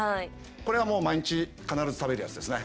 これがもう毎日必ず食べるやつですね。